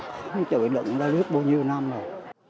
chưa bị lực lúc bao nhiêu năm rồi